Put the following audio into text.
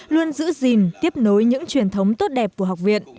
luôn giữ gìn tiếp nối những truyền thống tốt đẹp của học viện